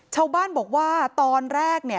ชาวบ้านบอกว่าตอนแรกเนี่ย